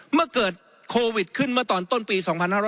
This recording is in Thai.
เมื่อเกิดโควิดขึ้นเมื่อตอนต้นปี๒๕๖๐